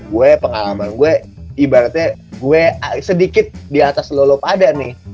gue pengalaman gue ibaratnya gue sedikit di atas lolop ada nih